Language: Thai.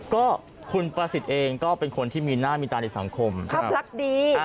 ก็คุณประสิทธิ์เองก็เป็นคนที่มีหน้ามีตาในสังคมภาพลักษณ์ดี